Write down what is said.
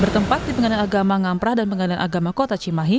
bertempat di pengadilan agama ngamprah dan pengadilan agama kota cimahi